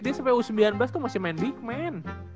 dia sampai u sembilan belas tuh masih main big men